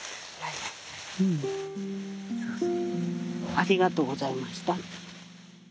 ありがとうございましたって。